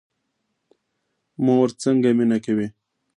مور څنګه مینه کوي؟